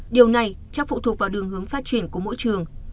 điều này cho phụ thuộc vào đường hướng phát triển của mỗi trường